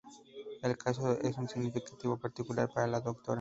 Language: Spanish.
El caso tiene un significado particular para la Dra.